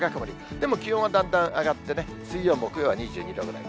でも気温はだんだん上がってね、水曜、木曜は２２度ぐらい。